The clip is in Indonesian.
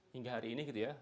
hingga hari ini gitu ya